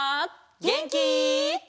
げんき？